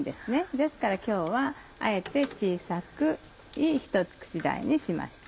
ですから今日はあえて小さくひと口大にしました。